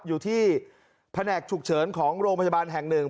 อยู่ที่แผนกฉุกเฉินของโรงพยาบาลแห่งหนึ่ง